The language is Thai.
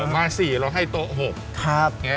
มา๔เราให้โต๊ะ๖